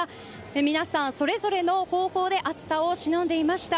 皆さん、それぞれの方法で暑さをしのいでいました。